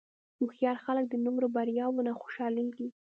هوښیار خلک د نورو بریاوو نه خوشحالېږي.